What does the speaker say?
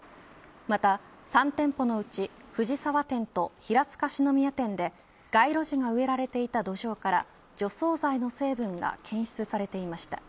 また、３店舗のうち藤沢店と平塚四之宮店で街路樹が植えられていた土壌から除草剤の成分が検出されていました。